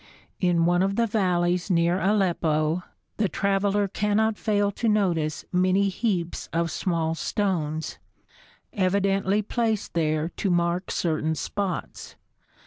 In one of the valleys near Aleppo the traveler cannot fail to notice many heaps of small stones, evidently placed there to mark certain spots.